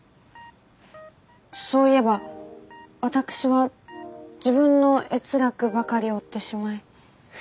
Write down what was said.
そういえば私は自分の悦楽ばかり追ってしまい。